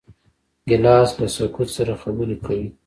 ګیلاس له سکوت سره خبرې کوي.